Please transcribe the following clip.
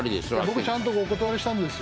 僕ちゃんとお断りしたんですよ。